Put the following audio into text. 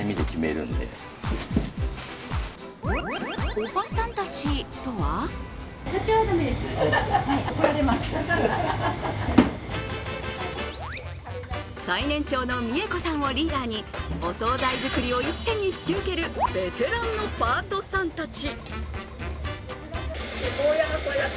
おばさんたちとは最年長の美枝子さんをリーダーにお総菜作りを一手に引き受けるベテランのパートさんたち。